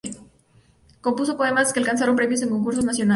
Compuso poemas que alcanzaron premios en concursos nacionales.